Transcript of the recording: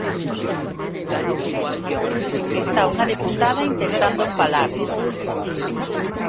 Silencio, que está unha deputada intentando falar.